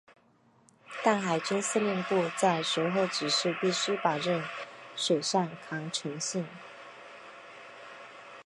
但海军司令部在随后指示必须保证水上抗沉性。